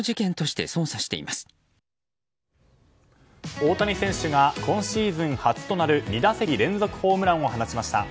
大谷選手が今シーズン初となる２打席連続ホームランを放ちました。